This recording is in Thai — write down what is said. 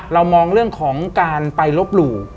เรามองเรื่องของการไปลบหลู่